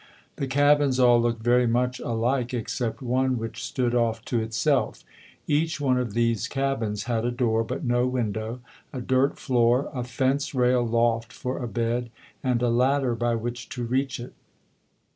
The cabins all looked very much alike except one which stood off to itself. Each one of these cabins had a door but no window, a dirt floor, a fence rail loft for a bed, and a ladder by which to reach it.